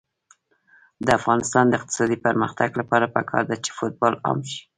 د افغانستان د اقتصادي پرمختګ لپاره پکار ده چې فوټبال عام شي.